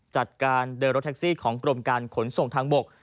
จัดการเดินรถแท็กซี่ของกรมการขนส่งทางบก